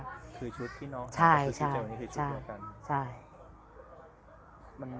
คือชุดที่น้องแถวนี้คือชุดตัวกัน